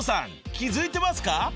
気付いてますか？］